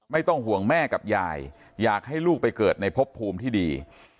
ไม่ต้องห่วงแม่กับยายอยากให้ลูกไปเกิดในพบภูมิที่ดี